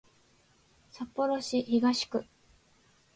札幌市東区